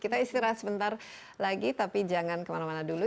kita istirahat sebentar lagi tapi jangan kemana mana dulu